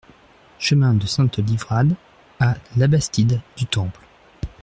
Chemin de Sainte-Livrade à Labastide-du-Temple